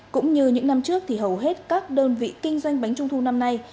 cũng như những năm trước thì hầu hết các đơn vị kinh doanh bánh trung thu năm nay